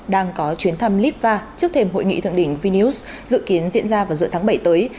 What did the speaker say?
đang có chuyến thăm litva trước thềm hội nghị thượng đỉnh vius dự kiến diễn ra vào giữa tháng bảy tới